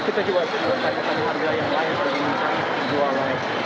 berapa ini harga yang terjual